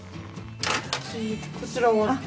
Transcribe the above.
こちらは？